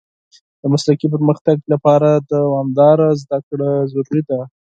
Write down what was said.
د مسلکي پرمختګ لپاره دوامداره زده کړه ضروري ده.